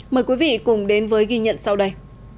mời quý vị cùng đến với ghi nhận sau đây